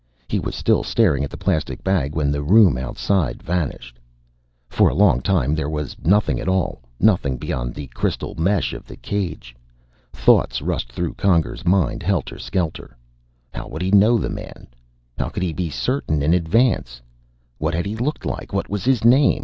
He was still staring at the plastic bag when the room outside vanished. For a long time there was nothing at all. Nothing beyond the crystal mesh of the cage. Thoughts rushed through Conger's mind, helter skelter. How would he know the man? How could he be certain, in advance? What had he looked like? What was his name?